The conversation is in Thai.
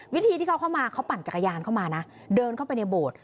วิธีที่เขาเข้ามาเขาปั่นจักรยานเข้ามานะเดินเข้าไปในโบสถ์